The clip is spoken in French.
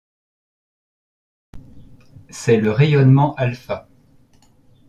C'est le rayonnement alpha.